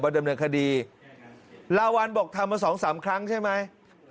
ไปดำเนินคดีลาวันบอกทำมา๒๓ครั้งใช่ไหม